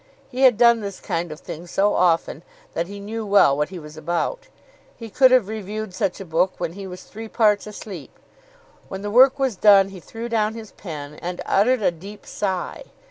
He had done this kind of thing so often, that he knew well what he was about. He could have reviewed such a book when he was three parts asleep. When the work was done he threw down his pen and uttered a deep sigh.